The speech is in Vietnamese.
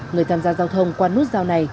người tham gia giao thông qua nút giao này